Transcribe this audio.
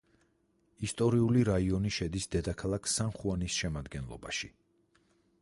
ისტორიული რაიონი შედის დედაქალაქ სან-ხუანის შემადგენლობაში.